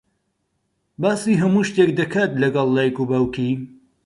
باسی هەموو شتێک دەکات لەگەڵ دایک و باوکی.